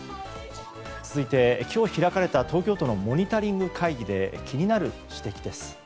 続いて、今日開かれた東京都のモニタリング会議で気になる指摘です。